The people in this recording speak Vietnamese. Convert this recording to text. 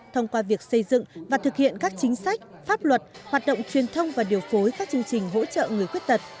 thông qua việc xây dựng và thực hiện các chính sách pháp luật hoạt động truyền thông và điều phối các chương trình hỗ trợ người khuyết tật